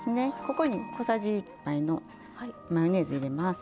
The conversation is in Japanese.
ここに小さじ１杯のマヨネーズ入れます。